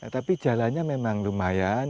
tapi jalannya memang lumayan